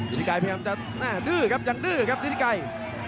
ฤทธิไกรพยายามจะดื้อครับยังดื้อครับฤทธิไกร